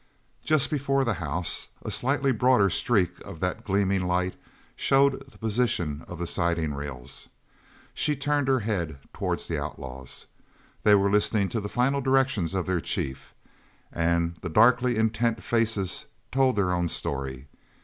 Just before the house, a slightly broader streak of that gleaming light showed the position of the siding rails. She turned her head towards the outlaws. They were listening to the final directions of their chief, and the darkly intent faces told their own story.